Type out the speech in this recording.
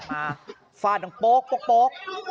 มาฟาดลงโป๊กโป๊กโป๊ก